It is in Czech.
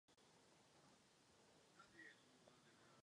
Mimo Rumunsko působil na klubové úrovni ve Francii.